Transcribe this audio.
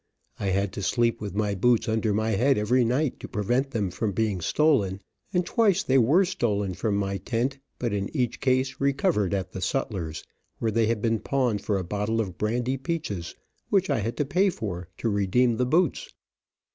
I had to sleep with my boots under my head every night, to prevent them from being stolen and twice they were stolen from my tent, but in each case recovered at the sutler's, where they had been pawned for a bottle of brandy peaches, which I had to pay for to redeem the boots.